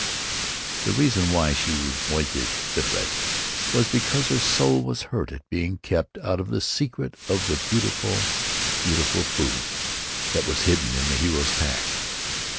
The reason why she weinted bitterlich was because her soul was hurt at being kept out of the secret of the beautiful, beautiful food that was hidden in the hero's pack.